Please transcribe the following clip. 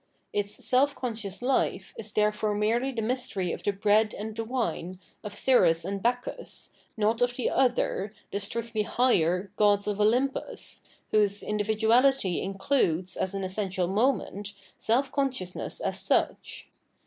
Its self conscious life is therefore merely the mystery of the Bread and the Wine, of Ceres and Bacchus, not of the other, the strictly higher, gods [of Oljunpus], whose individuality includes, as an essential moment, self consciousness as such.